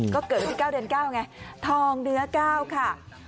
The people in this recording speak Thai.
ก็เกิดสิ้นเก้าเดือนเก้าไงทองเนื้อเก้า